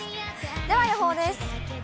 では、予報です。